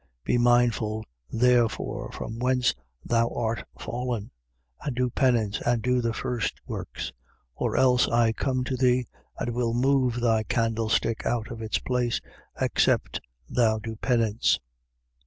2:5. Be mindful therefore from whence thou art fallen: and do penance and do the first works. Or else I come to thee and will move thy candlestick out of its place, except thou do penance.